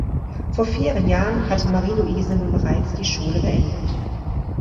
Vor vier Jahren hat Marieluise nun bereits die Schule beendet.